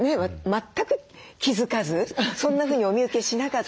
全く気付かずそんなふうにお見受けしなかったので。